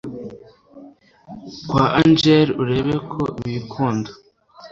kwa angella urebe ko bikunda